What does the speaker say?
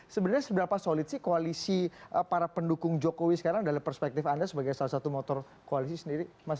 sebenarnya seberapa solid sih koalisi para pendukung jokowi sekarang dalam perspektif anda sebagai salah satu motor koalisi sendiri